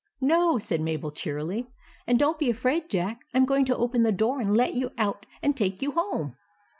" No," said Mabel, cheerily ;" and don't be afraid, Jack. I 'm going to open the door, and let you out and take you home."